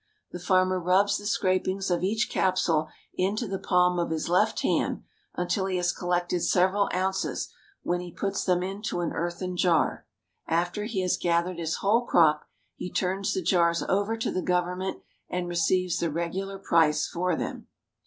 The farmer rubs the scrapings of each capsule into the palm of his left hand, until he has collected several ounces, when he puts them into an earthen jar. After he has gathered his whole crop, he turns the jars over to the government and receives the regular price for them.